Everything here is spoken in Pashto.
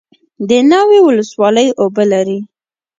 د ناوې ولسوالۍ اوبه لري